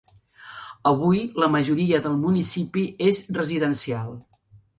Avui, la majoria del municipi és residencial.